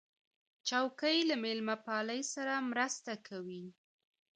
چوکۍ له میلمهپالۍ سره مرسته کوي.